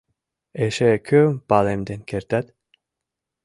— Эше кӧм палемден кертат?